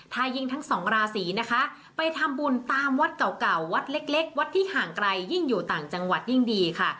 ถ้ายิ่งทั้งสองราศีนะคะไปทำบุญตามวัดเก่าวัดเล็กวัดที่ห่างไกลยิ่งอยู่ต่างจังหวัดยิ่งดีค่ะ